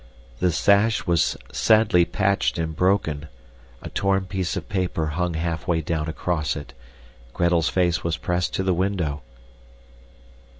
The sash was sadly patched and broken; a torn piece of paper hung halfway down across it. Gretel's face was pressed to the window.